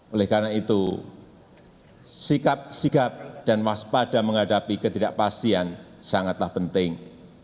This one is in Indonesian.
oleh karena itu sikap sikap dan waspada menghadapi ketidakpastian sangatlah penting